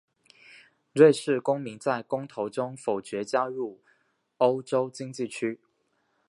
瑞士公民在公投中否决加入欧洲经济区。